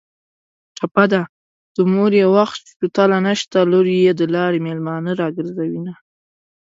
ټپه ده: د مور یې وخت شوتله نشته لور یې د لارې مېلمانه راګرځوینه